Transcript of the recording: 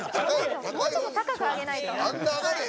もっと高く上げないと。